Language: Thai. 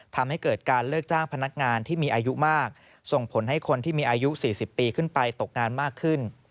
ทำให้เกิดการเลิกจ้างพนักงานที่มีอายุมากส่งผลให้คนที่มีอายุ๔๐ปีขึ้นไปตกงานมากขึ้น